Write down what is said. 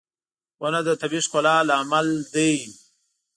• ونه د طبيعي ښکلا لامل دی.